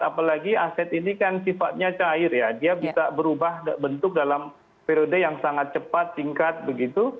apalagi aset ini kan sifatnya cair ya dia bisa berubah bentuk dalam periode yang sangat cepat singkat begitu